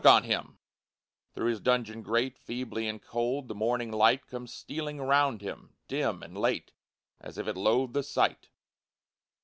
Look on him! through his dungeon grate, Feebly and cold, the morning light Comes stealing round him, dim and late, As if it loathed the sight.